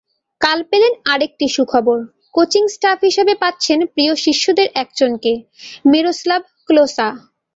কাল পেলেন আরেকটি সুখবর, কোচিং স্টাফ হিসেবে পাচ্ছেন প্রিয় শিষ্যদের একজনকে—মিরোস্লাভ ক্লোসা।